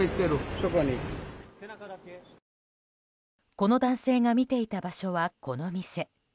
この男性が見ていた場所はこの店。